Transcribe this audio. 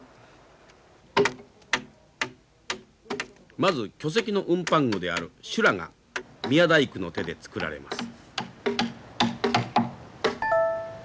まず巨石の運搬具である修羅が宮大工の手で作られます。